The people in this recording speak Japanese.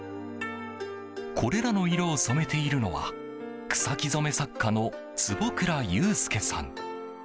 これらの色を染めているのは草木染め作家の坪倉優介さん。